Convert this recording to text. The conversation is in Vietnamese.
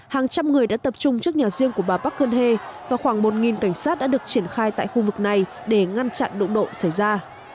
hàng trăm người đã tập trung trước nhà riêng của bà park han he và khoảng một cảnh sát đã được triển khai tại khu vực này để ngăn chặn đụng độ xảy ra